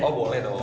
oh boleh dong